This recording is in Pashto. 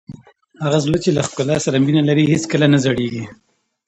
هغه زړه چې له ښکلا سره مینه لري هېڅکله نه زړیږي.